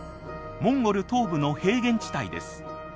モンゴル東部の平原地帯です。